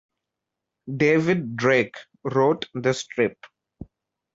David Drake wrote the strip.